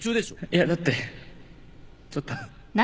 いやだってちょっと。